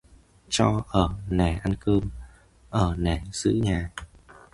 Cho ở nể ăn cơm, ở nể giữ nhà